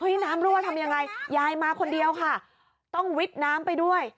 น้ำรั่วทำยังไงยายมาคนเดียวค่ะต้องวิดน้ำไปด้วย